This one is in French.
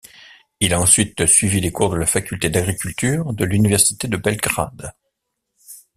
Il a ensuite suivi les cours de la Faculté d'agriculture de l'Université de Belgrade.